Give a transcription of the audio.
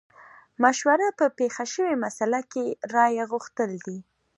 مشوره په پېښه شوې مسئله کې رايه غوښتل دي.